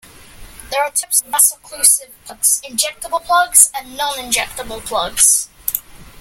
There are two types of "vas-occlusive plugs": injectable plugs and non-injectable plugs.